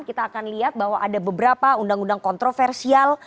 kita akan lihat bahwa ada beberapa undang undang kontroversial